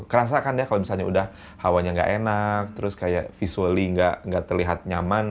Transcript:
kerasa kan ya kalau misalnya udah hawanya nggak enak terus kayak visually nggak terlihat nyaman